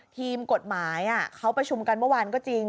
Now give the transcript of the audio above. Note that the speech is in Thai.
ทีมกฎหมายเขาประชุมกันเมื่อวานก็จริง